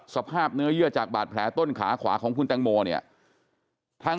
สภาพเนื้อเยื่อจากบาดแผลต้นขาขวาของคุณแตงโมเนี่ยทั้ง